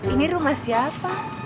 ini rumah siapa